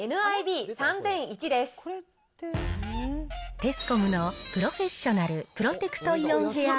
テスコムのプロフェッショナル・プロテクトイオンヘアー